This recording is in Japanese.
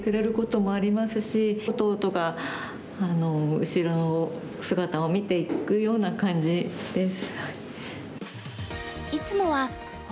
弟が後ろ姿を見ていくような感じです。